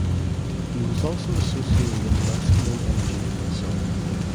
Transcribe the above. He was also associated with masculine energy and the sun.